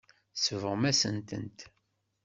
Tsebɣem-asent-tent.